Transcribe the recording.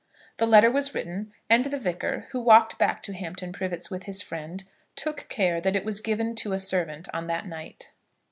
The letter was written, and the Vicar, who walked back to Hampton Privets with his friend, took care that it was given to a servant on that night.